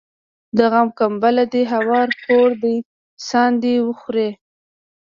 د غم کمبله دي هواره کور دي ساندي وخوري